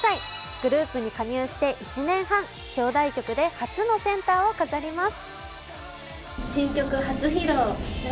グループに加入して１年半、表題曲で初のセンターを飾ります。